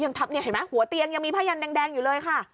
ยังทำเห็นไหมหัวเตียงยังมีพญันแดงอยู่เลยค่ะ